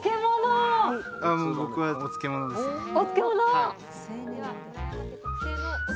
僕はお漬物です。